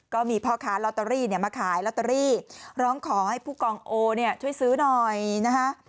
ก็มีพ่อค้าลอตเตอรี่เนี่ยมาขายลอตเตอรี่ร้องขอให้ผู้กองโอเนี่ยช่วยซื้อหน่อยนะคะ